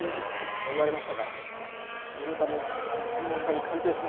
そう言われましたが念のため専門家に鑑定してもらいに行きました。